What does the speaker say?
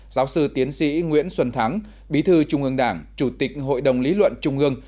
giáo sư tiến sĩ nguyễn xuân thắng bí thư trung ương đảng chủ tịch hội đồng lý luận trung ương